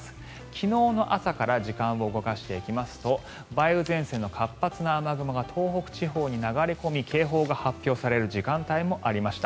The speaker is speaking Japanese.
昨日の朝から時間を動かしていきますと梅雨前線の活発な雨雲が東北地方に流れ込み警報が発表される時間帯もありました。